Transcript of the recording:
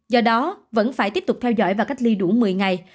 do đó vẫn phải tiếp tục theo dõi và cách ly đủ một mươi ngày